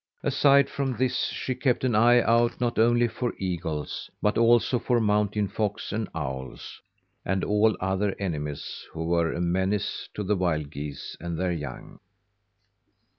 Aside from this she kept an eye out not only for eagles but also for mountain fox and owls and all other enemies who were a menace to the wild geese and their young.